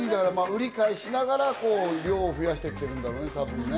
売り買いしながら量を増やしていってるんだろうね、多分ね。